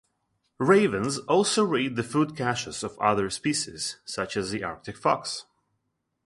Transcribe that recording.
Ravens also raid the food caches of other species, such as the Arctic fox.